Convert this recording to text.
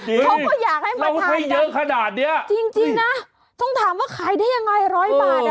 เออเขาก็อยากให้มาทานกันจริงนะต้องถามว่าขายได้ยังไง๑๐๐บาท